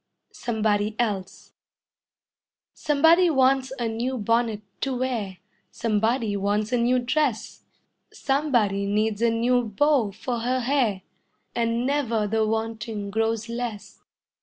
SOMEBODY ELSE Somebody wants a new bonnet to wear; Somebody wants a new dress; Somebody needs a new bow for her hair, And never the wanting grows less.